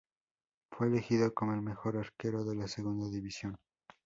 Fue elegido como el mejor arquero de la Segunda División.